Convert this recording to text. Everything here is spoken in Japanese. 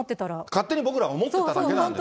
勝手に僕らが思ってただけなんですけど。